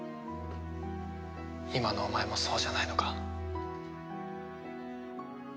今のお前もそうじゃないのか？